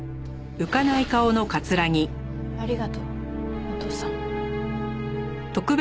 ありがとうお父さん。